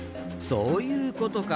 そういうことか。